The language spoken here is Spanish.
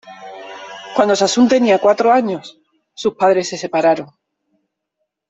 Cuando Sassoon tenía cuatro años, sus padres se separaron.